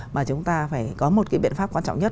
mà chúng ta phải có một cái biện pháp quan trọng nhất